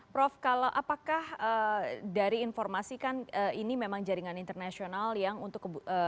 prof kalau apakah dari informasi kan ini memang jaringan internasional yang untuk